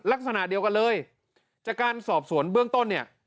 ลักษณะเดียวกันเลยจากการสอบสวนเบื้องต้นเนี่ย